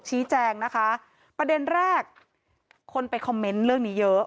ชี้แจงนะคะประเด็นแรกคนไปคอมเมนต์เรื่องนี้เยอะ